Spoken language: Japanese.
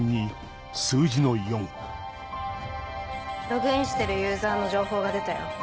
ログインしてるユーザーの情報が出たよ。